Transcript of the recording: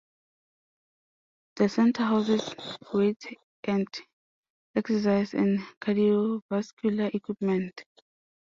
The center houses weights and exercise and cardiovascular equipment.